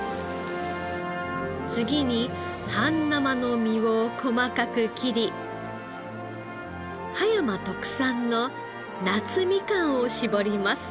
次に半生の身を細かく切り葉山特産の夏みかんを搾ります。